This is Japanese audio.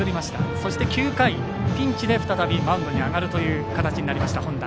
そして、９回、再びピンチでマウンドに上がるという形になりました本田。